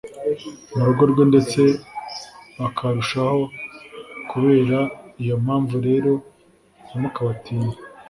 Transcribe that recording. Mu rugo rwe ndetse bakarushaho kubera iyo mpamvu rero ntimukabatinye